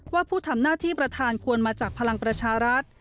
ว่าผู้ทำหน้าที่ประธานควรมาจากพลังประชารัฐ